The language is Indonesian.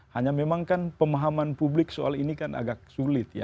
hanya memang kan pemahaman publik soal ini kan agak sulit ya